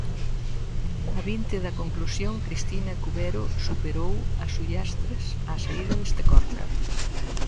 A vinte da conclusión, Cristina Cubero superou a Sullastres á saída deste córner.